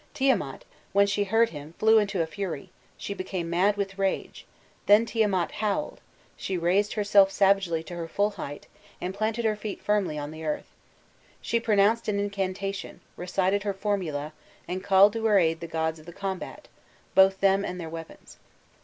Tiamat, when she heard him, flew into a fury, she became mad with rage; then Tiamat howled, she raised herself savagely to her full height, and planted her feet firmly on the earth. She pronounced an incantation, recited her formula, and called to her aid the gods of the combat, both them and their weapons.